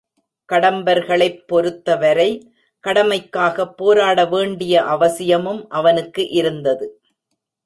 கடம்பர்களைப் பொருத்தவரை கடமைக்காகப் போராட வேண்டிய அவசியமும் அவனுக்கு இருந்தது.